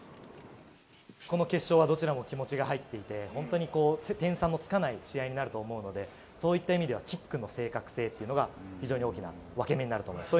この決勝はどちらも気持ちが入っていて、本当にこう、点差のつかない試合になると思うので、そういった意味では、キックの正確性っていうのが非常に大きな分け目になると思います。